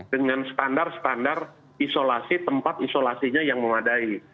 dengan standar standar tempat isolasinya yang memadai